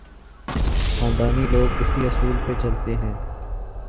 خاندانی لوگ اسی اصول پہ چلتے ہیں۔